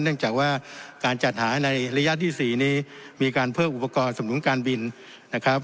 เนื่องจากว่าการจัดหาในระยะที่๔นี้มีการเพิ่มอุปกรณ์สำนุนการบินนะครับ